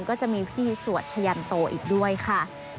ก็จะมีพิธีสวดชะยันโตอีกด้วยค่ะ